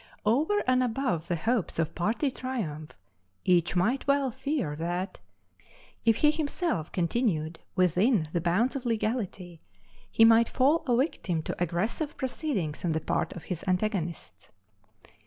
Over and above the hopes of party triumph, each might well fear that, if he himself continued within the bounds of legality, he might fall a victim to aggressive proceedings on the part of his antagonists.